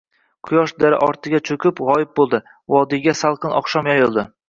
Quyosh dara ortiga choʼkib, gʼoyib boʼldi. Vodiyga salqin oqshom yoyildi.